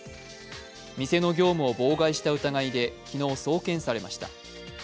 店の業務を妨害した疑いで昨日、送検されました。